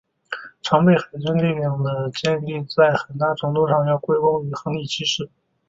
常备海军力量的建立在很大程度上要归功于亨利七世。